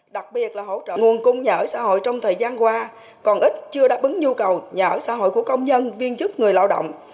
đặc biệt là hỗ trợ nguồn cung nhà ở xã hội trong thời gian qua còn ít chưa đáp ứng nhu cầu nhà ở xã hội của công nhân viên chức người lao động